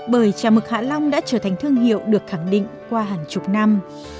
bởi chả mực hạ long đã trở thành thương hiệu được khẳng định qua hàng chục năm